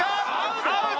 アウト！